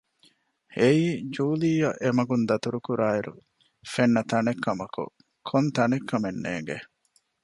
އެއީ ޖޫލީއަށް އެމަގުން ދަތުރުކުރާ އިރު ފެންނަ ތަނެއްކަމަކު ކޮންތަނެއް ކަމެއް ނޭގެ